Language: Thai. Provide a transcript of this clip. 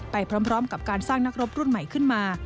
ไปพร้อมกับการสร้างนักรบรุ่นใหม่ขึ้นมา